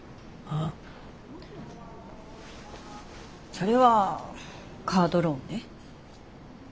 それはカードローンで。